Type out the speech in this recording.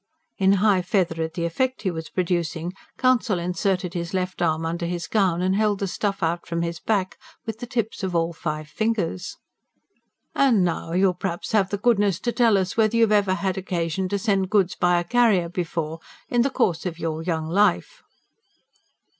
In high feather at the effect he was producing, counsel inserted his left arm under his gown, and held the stuff out from his back with the tips of all five fingers. "And now you'll p'raps have the goodness to tell us whether you've ever had occasion to send goods by a carrier before, in the course of your young life?"